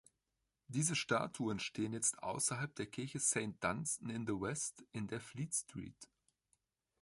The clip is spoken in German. Diese Statuen stehen jetzt außerhalb der Kirche Saint Dunstan-in-the-West in der Fleet Street.